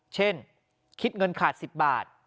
เช่นคิดเงินขาด๑๐บาท